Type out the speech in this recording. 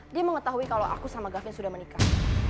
dia mengetahui kalau aku sama gavin sudah menikah